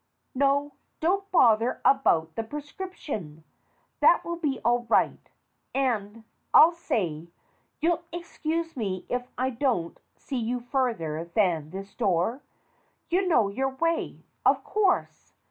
No, don't bother about the prescription. That will be all right. And, I say, you'll excuse me if I don't see you further than this door ? You know your way, of course.